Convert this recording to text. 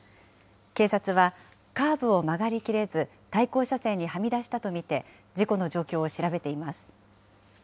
警察は、カーブを曲がり切れず、対向車線にはみ出したと見て、事故の状況を調べています。